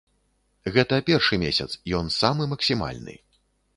Гэта першы месяц, ён самы максімальны.